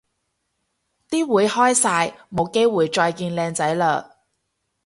啲會開晒冇機會再見靚仔嘞